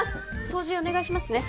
掃除お願いしますね